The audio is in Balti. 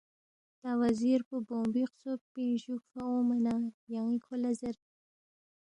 تا وزیر پو بونگبُوی خسوب پِنگ جُوکفا اونگما نہ یان٘ی کھو لہ زیر